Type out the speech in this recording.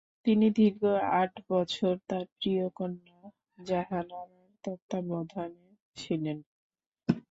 তিনি দীর্ঘ আট বছর তার প্রিয় কন্যা জাহানারার তত্ত্বাবধানে ছিলেন।